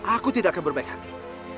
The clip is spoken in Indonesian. aku tidak akan berbaik hati